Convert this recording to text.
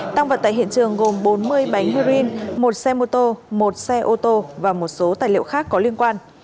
tăng vật tại hiện trường gồm bốn mươi bánh heroin một xe mô tô một xe ô tô và một số tài liệu khác có liên quan